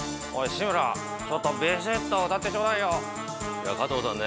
志村ちょっとビシッと歌ってちょうだいよいや加藤さんね